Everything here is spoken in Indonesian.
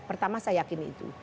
pertama saya yakin itu